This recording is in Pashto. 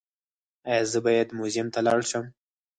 ایا زه باید موزیم ته لاړ شم؟